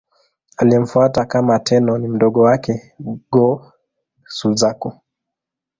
Aliyemfuata kama Tenno ni mdogo wake, Go-Suzaku.